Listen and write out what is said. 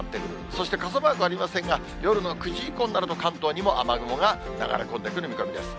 そして、傘マークありませんが、夜の９時以降になると関東にも雨雲が流れ込んでくる見込みです。